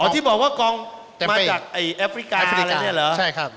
อ๋อที่บอกว่ากลองมาจากไอ้แอฟริกาเลยเนี่ยเหรอ